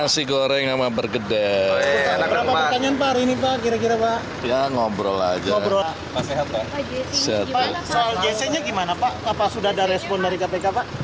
soal jc nya gimana pak apa sudah ada respon dari kpk pak